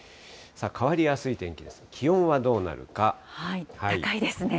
変わりやすい天気です、気温はど高いですね。